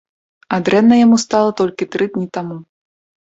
А дрэнна яму стала толькі тры дні таму.